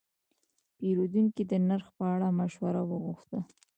پیرودونکی د نرخ په اړه مشوره وغوښته.